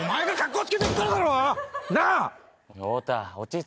なあ？